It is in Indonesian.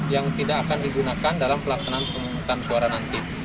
yang tidak akan digunakan dalam pelaksanaan pemungutan suara nanti